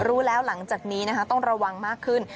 รู้แล้วหลังจากนี้นะคะต้องระวังมากขึ้น